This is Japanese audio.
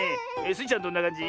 スイちゃんどんなかんじ？